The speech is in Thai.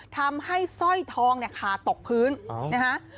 ทำให้สร้อยทองขาดตกพื้นนะครับ